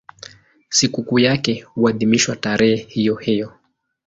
Sikukuu yake huadhimishwa tarehe hiyohiyo.